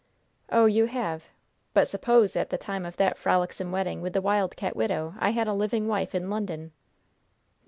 "Oh, you have? But suppose at the time of that frolicsome wedding with the Wild Cat widow I had a living wife in London?"